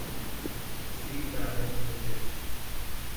See Baron Nugent.